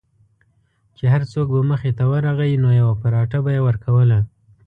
چې هر څوک به مخې ته ورغی نو یوه پراټه به یې ورکوله.